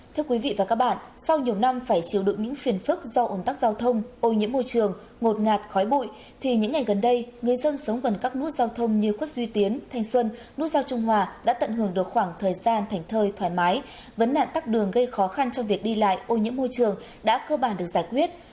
thưa quý vị và các bạn sau nhiều năm phải chịu đựng những phiền phức do ồn tắc giao thông ô nhiễm môi trường ngột ngạt khói bụi thì những ngày gần đây người dân sống gần các nút giao thông như khuất duy tiến thanh xuân nút giao trung hòa đã tận hưởng được khoảng thời gian thảnh thơi thoải mái vấn nạn tắt đường gây khó khăn cho việc đi lại ô nhiễm môi trường đã cơ bản được giải quyết